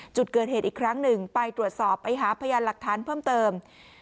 จุดเกิดเหตุอีกครั้งหนึ่งไปตรวจสอบไปหาพยานหลักฐานเพิ่มเติม